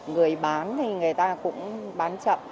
người bán thì người ta cũng bán chậm